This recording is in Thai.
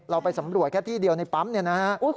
เราไปสำรวจแค่ที่เดียวในปั๊มนะครับครับคุณมาก